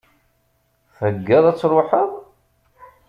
Theggaḍ ad tṛuḥeḍ?